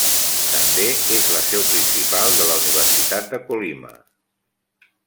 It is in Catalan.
També és la seu principal de la Universitat de Colima.